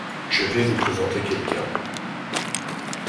Je vais vous présenter quelqu’un.